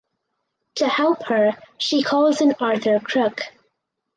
To help her she calls in Arthur Crook.